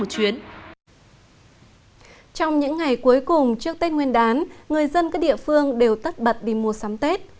cuối cùng trước tết nguyên đán người dân các địa phương đều tắt bật đi mua sắm tết